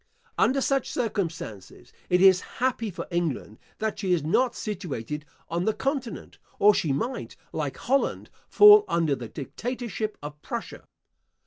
Under such circumstances, it is happy for England that she is not situated on the Continent, or she might, like Holland, fall under the dictatorship of Prussia.